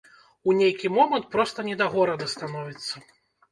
У нейкі момант проста не да горада становіцца.